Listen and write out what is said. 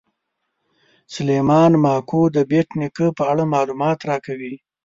سلیمان ماکو د بېټ نیکه په اړه معلومات راکوي.